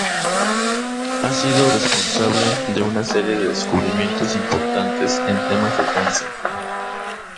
Ha sido responsable de una serie de descubrimientos importantes en temas de cáncer.